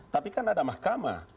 tapi kan ada mahkamah